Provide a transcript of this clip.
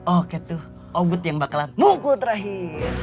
oke itu agut yang bakalan mungkul terakhir